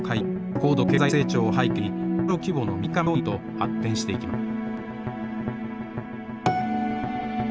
高度経済成長を背景に中小規模の民間病院へと発展していきました。